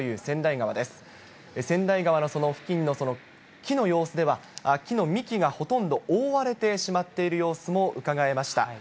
川内川のその付近の木の様子では、木の幹がほとんど覆われてしまっている様子もうかがえました。